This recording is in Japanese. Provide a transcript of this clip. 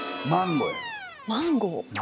マンゴーや。